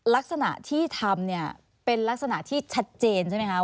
ลักษณะที่ทำเนี่ยเป็นลักษณะที่ชัดเจนใช่ไหมคะ